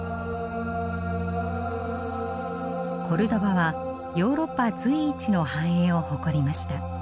コルドバはヨーロッパ随一の繁栄を誇りました。